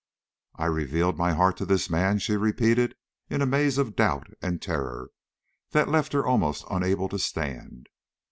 "I reveal my heart to this man!" she repeated, in a maze of doubt and terror that left her almost unable to stand.